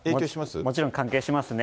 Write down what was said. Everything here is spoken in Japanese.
もちろん関係します。